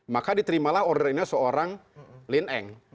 maka diterimalah order ini seorang lin eng